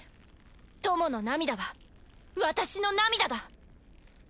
ともの涙は私の涙だ！